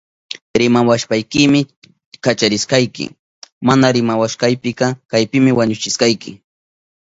Rimawashpaykimi kacharishkayki. Mana rimawashpaykika kaypimi wañuchishkayki.